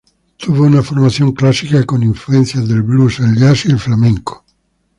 Tuvo una formación clásica con influencias del blues, el jazz y el flamenco.